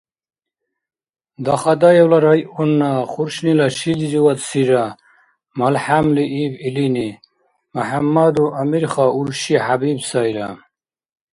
— Дахадаевла районна Хуршнила шилизивадсира,— малхӏямли иб илини. — Мяхӏяммадов Амирха урши Хӏябиб сайра.